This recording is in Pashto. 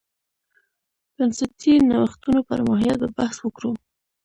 بنسټي نوښتونو پر ماهیت به بحث وکړو.